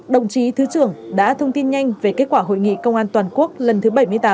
đồng chí thứ trưởng đã thông tin nhanh về kết quả hội nghị công an toàn quốc lần thứ bảy mươi tám